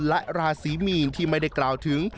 และราศีมีนที่ไม่ได้กล่าวถึง